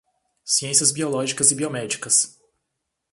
Ciências biológicas e biomédicas